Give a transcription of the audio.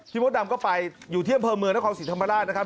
มดดำก็ไปอยู่ที่อำเภอเมืองนครศรีธรรมราชนะครับ